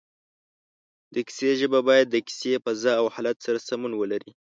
د کیسې ژبه باید د کیسې فضا او حالت سره سمون ولري